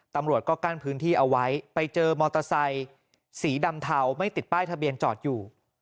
ตำรวจก็กั้นพื้นที่เอาไว้ไปเจอมอเตอร์ไซค์สีดำเทาไม่ติดป้ายทะเบียนจอดอยู่